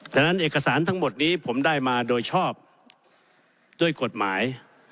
ฉะนั้นเอกสารทั้งหมดนี้ผมได้มาโดยชอบด้วยกฎหมาย